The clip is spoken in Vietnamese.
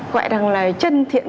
gọi là chân thiện